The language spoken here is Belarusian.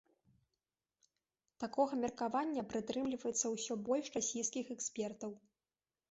Такога меркавання прытрымліваецца ўсё больш расійскіх экспертаў.